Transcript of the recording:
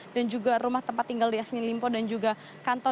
dan juga rumah tempat tinggal yassin limbo dan juga kantor